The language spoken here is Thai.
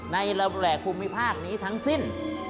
ในแหลกคุมวิพากษ์นี้ทั้งสิ้น